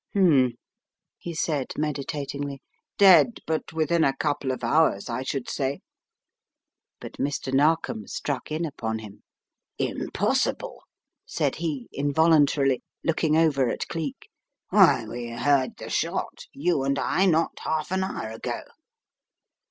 "Humm," he said, meditatingly. "Dead, but within a couple of hours, I should say." But Mr. Narkom struck in upon him. " Impossible," said he, involuntarily, looking over at Cleek, "why, we heard the shot — you and I, not half an hour ago."